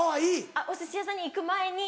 あっお寿司屋さんに行く前に。